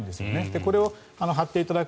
これを張っていただく。